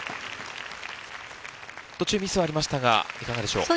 途中ミスはありましたがいかがでしょう？